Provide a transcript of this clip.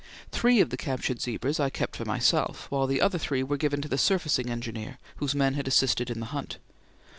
Three of the captured zebras I kept for myself, while the other three were given to the Surfacing Engineer, whose men had assisted in the hunt.